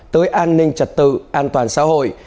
tới an ninh trật tự an toàn xã hội